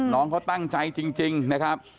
น้องเขาตั้งใจจริงนะครับ